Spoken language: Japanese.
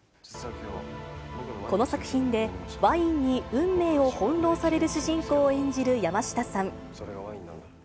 この作品で、ワインに運命をほんろうされる主人公を演じる山下さん。